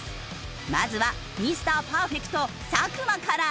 まずはミスターパーフェクト作間から。